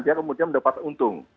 dia kemudian mendapat untung